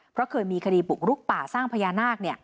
เพราะเคยมีคดีบุกรุกป่าสร้างพญานาค